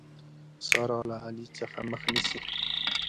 سارا له علي څخه مخ نيسي.